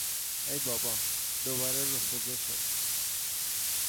ای بابا، دوباره رفوزه شدم!